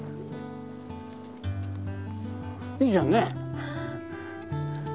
いいじゃんね。